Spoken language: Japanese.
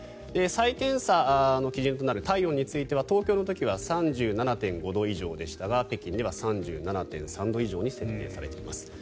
再検査の基準となる体温については東京の時は３７．５度以上でしたが北京では３７．３度以上に設定されています。